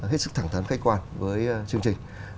hết sức thẳng thắn khách quan với chương trình